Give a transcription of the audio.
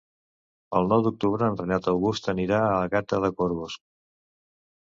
El nou d'octubre en Renat August anirà a Gata de Gorgos.